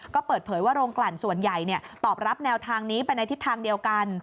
ก็เปิดเผยว่าโรงกลั่นส่วนใหญ่ตอบรับแนวทางนี้ไปในทิศทางเดียวกัน